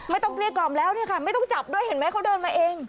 ไม่ต้องเกลียดกรอบแล้วไม่ต้องจับด้วยเขาเดินมาเอง